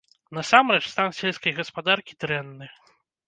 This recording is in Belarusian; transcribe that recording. Насамрэч, стан сельскай гаспадаркі дрэнны.